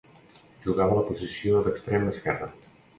Jugava a la posició d'extrem esquerre.